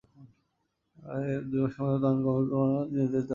রায়ে দুই মাসের মধ্যে তদন্ত কমিশন গঠন করতে নির্দেশ দেওয়া হয়।